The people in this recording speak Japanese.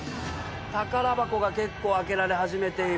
宝箱が結構開けられ始めている。